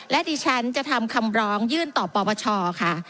และดิฉันจะทำคำร้องยื่นต่อปปชค่ะ